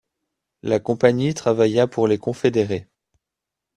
La compagnie travailla pour les Confédérés.